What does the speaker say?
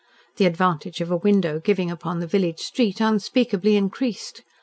The advantage of a window giving upon the village street unspeakably increased.